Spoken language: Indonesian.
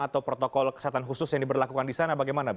atau protokol kesehatan khusus yang diberlakukan di sana bagaimana